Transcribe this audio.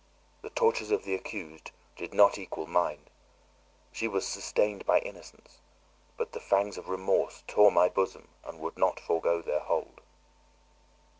The tortures of the accused did not equal mine; she was sustained by innocence, but the fangs of remorse tore my bosom and would not forgo their hold.